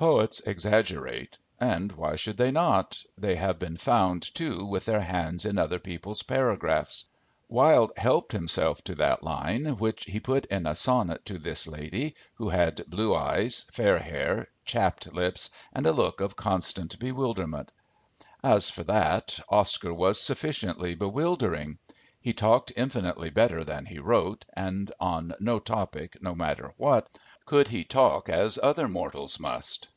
_ Poets exaggerate and why should they not? They have been found, too, with their hands in other people's paragraphs. Wilde helped himself to that line which he put in a sonnet to this lady, who had blue eyes, fair hair, chapped lips, and a look of constant bewilderment. As for that, Oscar was sufficiently bewildering. He talked infinitely better than he wrote, and on no topic, no matter what, could he talk as other mortals must.